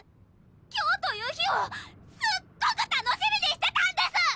今日という日をすっごく楽しみにしてたんです！